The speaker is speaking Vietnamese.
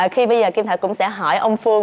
khi bây giờ kim thạch cũng sẽ hỏi ông phương